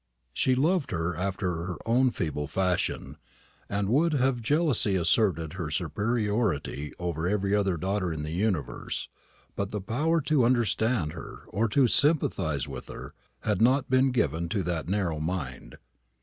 She loved her after her own feeble fashion, and would have jealously asserted her superiority over every other daughter in the universe; but the power to understand her or to sympathise with her had not been given to that narrow mind.